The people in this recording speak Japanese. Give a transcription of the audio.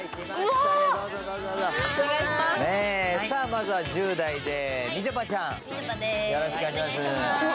まずは１０代でみちょぱちゃん。